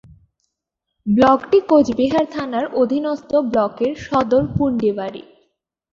ব্লকটি কোচবিহার থানার অধীনস্থ ব্লকের সদর পুন্ডিবাড়ি।